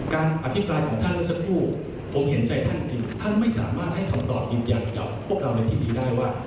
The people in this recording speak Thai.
การอภิปรายของท่านเมื่อสักครู่ผมเห็นใจท่านจริงท่านไม่สามารถให้คำตอบยืนยันกับพวกเราในที่นี้ได้ว่า